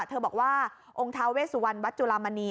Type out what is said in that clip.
เธอบอกว่าองค์ท้าเวสุวรรณวัดจุลามณี